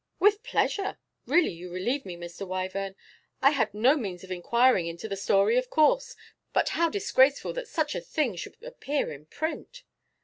'With pleasure. Really you relieve me, Mr. Wyvern. I had no means of inquiring into the story, of course. But how disgraceful that such a thing should appear in print!